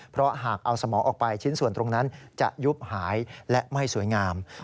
เพราะหากเอาสมองออกไปชิ้นส่วนตรงนั้นจะยุบหายและไม่สวยงาม